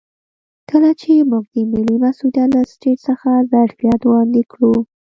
کله چې موږ د ملي مسوولیت له سټیج څخه ظرفیت وړاندې کړو.